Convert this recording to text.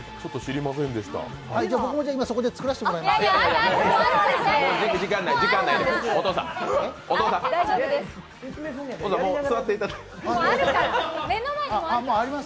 僕も今、そこで作らせていただきます。